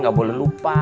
gak boleh lupa